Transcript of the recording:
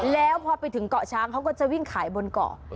แล้วพอไปถึงเกาะช้างเขาก็จะวิ่งขายบนเกาะ